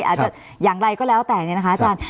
อาจจะอย่างไรก็แล้วแต่เนี่ยนะคะอาจารย์